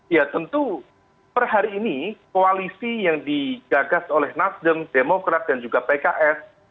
ya tentu per hari ini koalisi yang digagas oleh nasdem demokrat dan juga pks